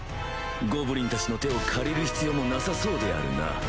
ゴブリンたちの手を借りる必要もなさそうであるな